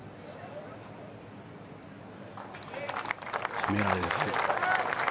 決められず。